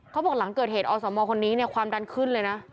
เขาบอกหลังเกิดเหตุอสมคนนี้เนี่ยความดันขึ้นเลยนะ